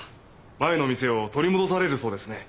前の店を取り戻されるそうですね。